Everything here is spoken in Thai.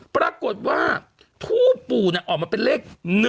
ปรากฏว่าทูบปู่ออกมาเป็นเลข๑